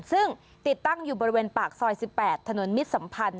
ซึ่งติดตั้งอยู่บริเวณปากซอย๑๘ถนนมิตรสัมพันธ์